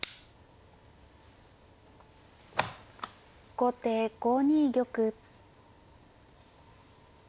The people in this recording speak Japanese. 後手５二玉。